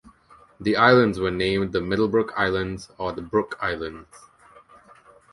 The islands were named the "Middlebrook Islands" or the "Brook Islands".